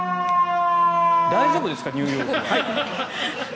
大丈夫ですかニューヨークは？